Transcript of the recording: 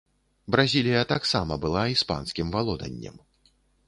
Бразілія таксама была іспанскім валоданнем.